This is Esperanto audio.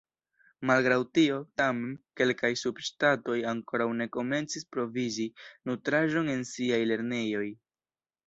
Malgraŭ tio, tamen, kelkaj subŝtatoj ankoraŭ ne komencis provizi nutraĵon en siaj lernejoj.